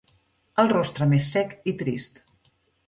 El rostre més sec i trist.